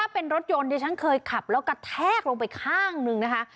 เป็นรถยนต์ที่ฉันเคยขับแล้วกระแทกลงไปข้างหนึ่งนะคะ